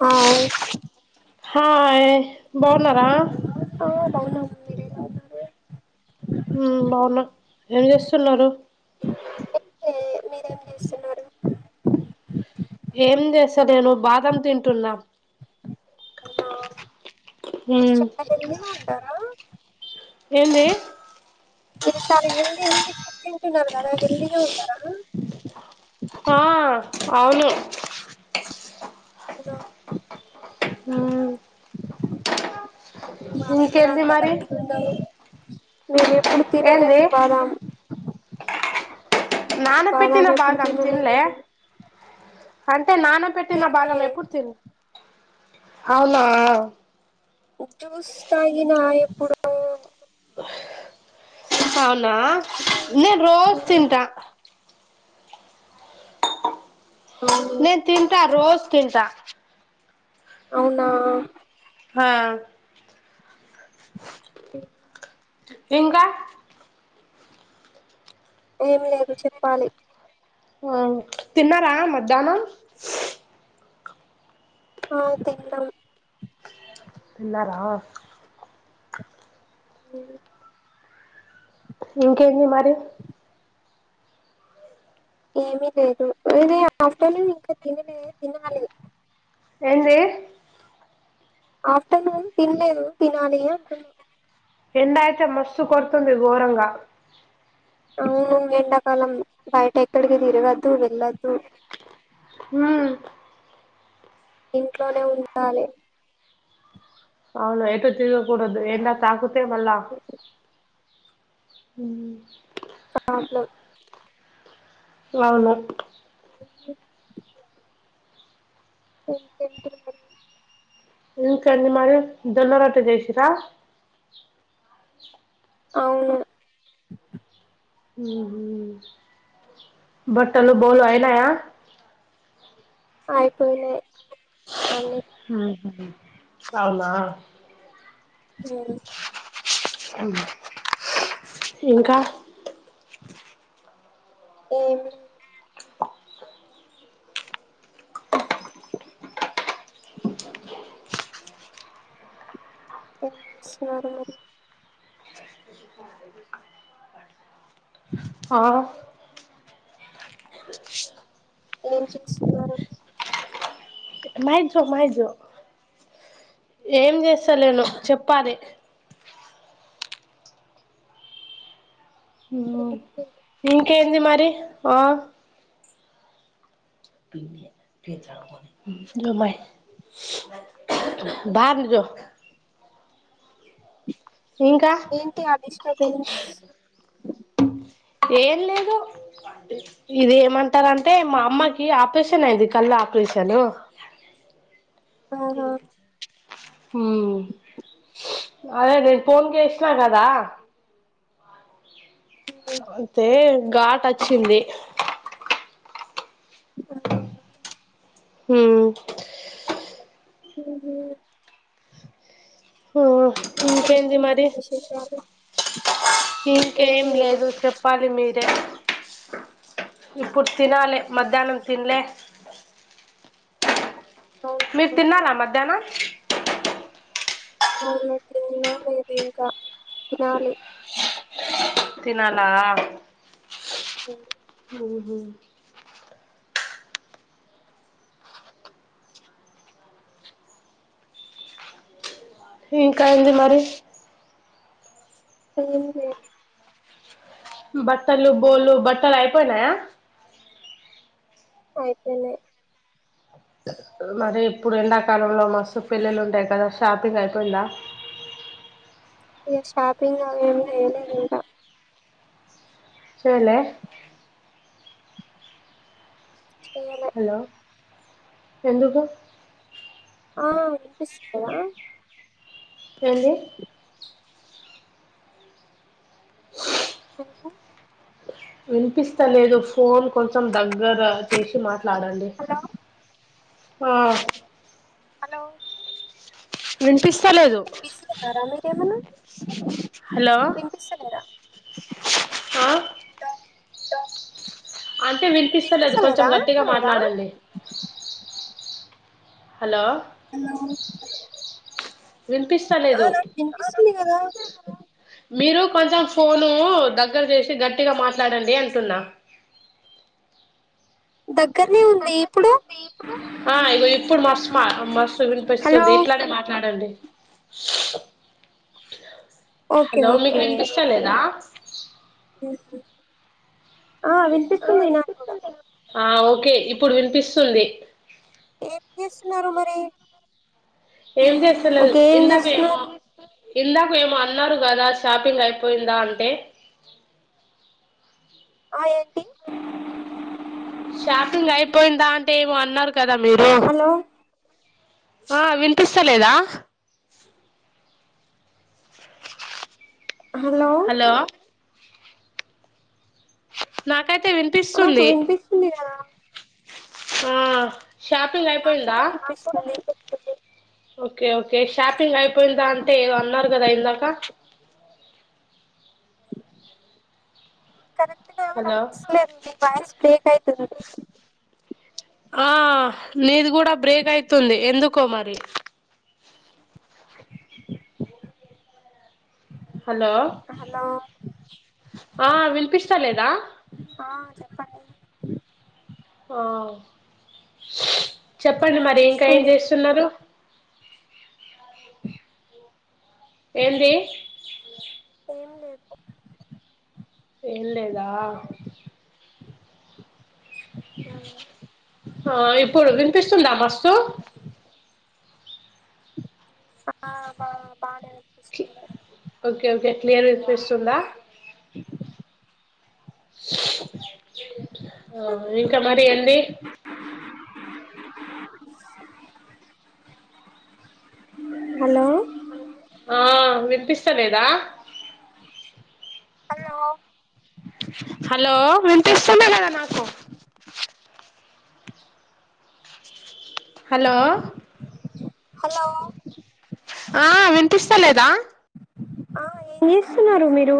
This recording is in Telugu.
హాయ్ హియా బాగున్నారా బగునం మెరు ఎలా ఉనారు హ్మ్ బావున్నా ఏం చేస్తున్నారు ఏ మీరేం చేస్తున్నారు ఏం చేస్త నేను బాదం తింటున్నాం అవునా మీరు ఉమ్ చాలా హెల్తీగా ఉంటారా ఏంది మీరు చాలా హెల్దీ ఫుడ్ తింటున్నారు కదా హెల్దీగా ఉంటారా ఆ అవును అవునా హ్మ్ ఇంకేంది మరి మీరు చెప్ ఇప్పుడు ఏంది తీనలేదు బాదాం నానపెట్టిన బాదాం ఎప్పుడు బాదం తిన్లే తినలేదు అం టే నాన పెట్టిన బాదం తినలే ఎప్పుడు తిన్ అవునా జ్యూస్ తాగినా ఎప్పుడూ హా న నేను రోజు తింటా అవును నేను తింటా రోజ్ తింటా అవునా హా ఇంకా ఎంలెద్ నువ్ చెప్పాలి ఉ అ తిన్నరా మద్దానం అ తిన్నం తిన్నరా ఇంకేంది మరి ఏమీ లేదు నేను ఆఫ్టర్నూన్ ఇంకా తినలే తినాలి ఏంది ఆఫ్టర్నూన్ తిన్లేదు తినాలి అంటున్నా ఎండ అయితే మస్సు కొడుతుంది ఘోరంగా అవును ఎండాకాలం బయట ఎక్కడికి తిరగద్దు వెళ్ళద్దు హ్మ్ ఇంట్లోనే ఉంటలే అవును ఎటు తిరుగకూడదు ఎండా తాకుతేమల్ళా ఉ అ హలో లవణ ఎం టెంపుల్ మరి ఇంక ఏంది మరి జొన్న రొట్టె చేసిర్ర అవును ఉ హు బట్టలు బోల్లు అయినయ అయిపోయినయ్ ఉ అవునా హ్మ్ ఇంకా ఉ హు ఎం స్నానాలు ఆ ఏం తెచ్చినారు మయిజో మయిజో ఏం చేస్తాలేను చెప్పాలి ఉ ఇంకేంది మరి అ పింఛన్ మరి గమై బారిజో ఏంటి అ డిస్టర్బెన్స్ ఏం లేదు ఇది ఏమంటారంటే మా అమ్మకి ఆపరేషన్ అయింది కళ్ళ ఆపరేషను అదె ఆహా. ఉంచు హ్మ్ అదే నేను ఫోన్ చేసినా కదా ఉమ్, అంతే ఘాట్ వచ్చింది అవునా. హ్మ్ స్ ఉహ్మ హు ఇంకేంది ఇంకేంటి మరి విశేషాలు ఇంకేం లేదు చెప్పాలి మీర్ ఇప్పుడు తినాలే మధ్యాహ్నం తినలే అవునా మీరు తిన్నారా మధ్యాహ్నం అవును తిన లేదు ఇంకా తినాలి తినాల హ్మ్ ఉహ్మ ఇంక ఏంది మరి ఏమి లే బట్టలు బోల్లు బట్టలు అయిపోయినయా అయిపేనాయ్ మరి ఇప్పుడు ఎండాకాలంలో మస్తు పెళ్ళిళ్ళు ఉంటాయి కదా షాపింగ్ అయిపోయిందా. ఇ షాపింగ్ అవేమి చేయలేదు ఇంకా చెయ్ లే చేయలే హలో ఎందుకు ఆ వినిపిస్తున్నదా ఏంది హలో వినిపిస్తలేదు ఫోన్ కొంచెం దగ్ గర చేసి మాట్లాడండి హలో ఆహ్ హలో వినిపిస్తలేదు ఏంటి బిజీగ ఉన్నారా మీరేమన్నా హలో లో వినిపిస్తలేదా హలో ఆంటీ వినిపిస్తలేదు కొంచెం వినిపిస్తలేదా గట్టిగా మాట్లాడండి హలో హలో ఆ వినిపిస్తలేదు నాకు వినిపిస్తుంది కదా మీరు కొంచెం ఫోను దగ్గర చేసి గట్టిగా మాట్లాడండి అంటున్నా దగ్ ఆ ఇగో మస్తు మస్తు హలో వినిపిస్తుంది ఇట్లానే మాట్లాడండి ఓకే హలో మీకు ఓకే వినిపిస్తలేద ఊహు ఆ వినిపిస్తుంది నాకు కూడ ఆ ఓకే ఇప్పుడు వినిపిస్తుంది ఏం జేస్తున్నారు మరి ఏం జేస్తలే ఓకే ఏం ఇందాక ఏమో చేస్తున్నారు ఇందాక ఏమొ అన్నారు గదా షాపింగ్ అయిపోయిందా అంటే ఆ ఏంటి షాపింగ్ అయిపోయిందా అంటే ఏమో అన్నారు కదా మీరు హలో ఆ వినిపిస్త లేదా హలో నా నాకు వినిపిస్తుంది గదా ఆ షాపింగ్ నాకు అయిపోయిందా కూడా వినిపిస్తుంది ఓకే ఓకే షాపింగ్ అయిపోయిందా అంటే ఏదో అన్నారు కదా ఇందాక కరెక్ట్ గా హలో వినిపిస్తలేదు మీ వాయిస్ బ్రేక్ అయితుంది ఆ నీది గూడా బ్రేక్ అయితుంది ఎందుకో మరి హలో హలో ఆ వినిపిస్త లేదా ఆ చెప్పండి ఆ ఇప్పుడు చెప్పండి మరి ఇంకా ఏం వినిపిస్తుంది జేస్తున్నారు ఏంది ఏం లేదు ఏం లేదా ఆ ఆ ఇప్పుడు వినిపిస్తుందా మస్తు ఆ బా బాడ ఓకే ఓకే రు వినిపిస్తుందా ఆ ఇంకా మరి ఏంది హలో ఆ వినిపిస్తలేదా హలో హలో వినిపిస్తుంది గాదా నాకు హలో హలో ఆ వినిపిస్త లేదా ఆ ఏం జేస్తున్నారు మీరు